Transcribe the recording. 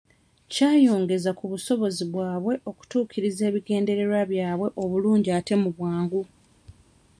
Kya yongeza ku busobozi bwabwe okutuukiriza ebigendererwa byabwe obulungi ate mu bwangu.